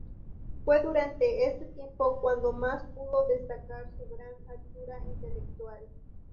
Fue durante este tiempo cuando más pudo destacar su gran altura intelectual.